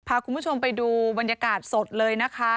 พาคุณผู้ชมไปดูบรรยากาศสดเลยนะคะ